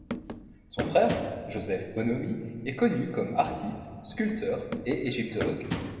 Son frère, Joseph Bonomi est connu comme artiste, sculpteur et égyptologue.